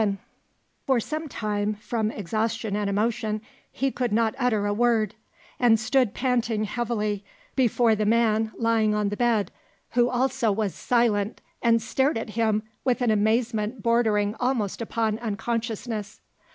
XI For some time from exhaustion and emotion he could not utter a word, and stood panting heavily before the man lying on the bed, who also was silent and stared at him with an amazement bordering almost upon unconsciousness.